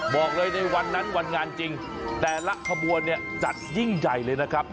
บอกเลยในวันนั้นวันงานจริงแต่ละขบวนเนี่ยจัดยิ่งใหญ่เลยนะครับ